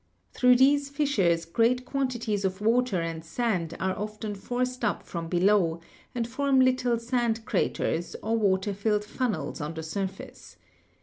Through these fissures great quan tities of water and sand are often forced up from below and form little sand craters, or water filled funnels on the surface.